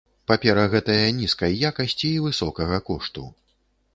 Папера гэтая нізкай якасці і высокага кошту.